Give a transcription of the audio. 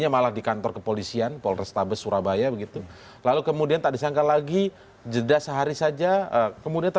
makanya ini masih ada